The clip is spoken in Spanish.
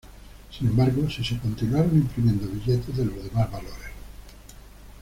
Sin embargo sí se continuaron imprimiendo billetes de los demás valores.